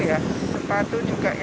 ya sepatu juga ya